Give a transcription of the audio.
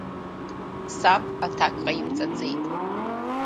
Саб аҭак ҟаимҵаӡеит.